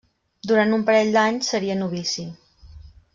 Durant un parell d'anys seria novici.